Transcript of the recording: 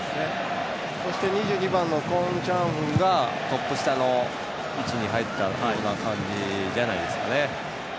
そして２２番のクォン・チャンフンがトップ下の位置に入ったような感じじゃないですかね。